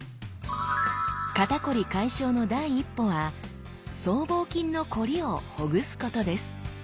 肩こり解消の第一歩は僧帽筋のこりをほぐすことです。